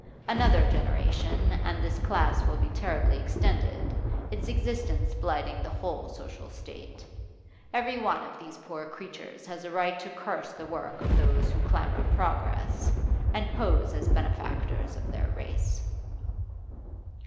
Another generation, and this class will be terribly extended, its existence blighting the whole social state. Every one of these poor creatures has a right to curse the work of those who clamour progress, and pose as benefactors of their race.